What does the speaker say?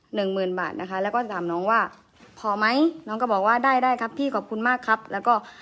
หนึ่งหมื่นบาทนะคะแล้วก็ถามน้องว่าพอไหมน้องก็บอกว่าได้ได้ครับพี่ขอบคุณมากครับแล้วก็